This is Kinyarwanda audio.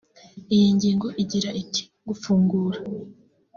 Iyo ngingo igira iti “Gufungura